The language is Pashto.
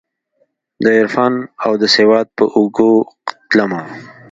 دعرفان اودسواد په اوږو تلمه